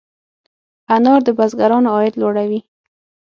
انار د بزګرانو عاید لوړوي.